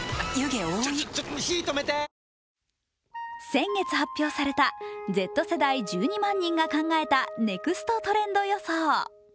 先月発表されたＺ世代１２万人が考えたネクストトレンド予想。